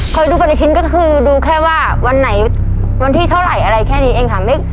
ไปดูปฏิทินก็คือดูแค่ว่าวันไหนวันที่เท่าไหร่อะไรแค่นี้เองค่ะ